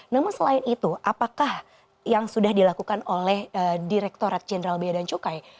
namun selain itu apakah yang sudah dilakukan oleh direkturat jenderal biaya dan cukai